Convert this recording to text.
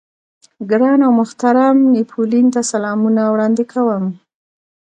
ګران او محترم نيپولېين ته سلامونه وړاندې کوم.